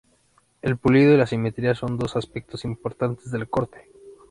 El pulido y la simetría son dos aspectos importantes del corte.